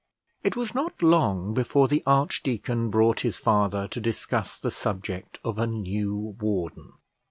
It was not long before the archdeacon brought his father to discuss the subject of a new warden.